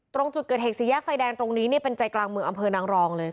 ตรงจุดเกิดเหตุสี่แยกไฟแดงตรงนี้เป็นใจกลางเมืองอำเภอนางรองเลย